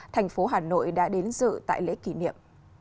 thành phố hà nội đã đến dự tại lễ kỷ niệm